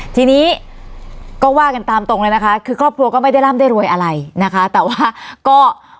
ทีนี้ก็ว่ากันตามตรงเลยนะคะ